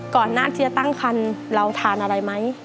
ก่อนหน้าที่จะตั้งคันเราทานอะไรไหม